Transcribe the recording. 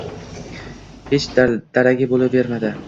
Hech daragi bo`lavermadi